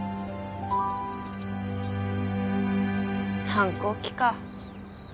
反抗期か。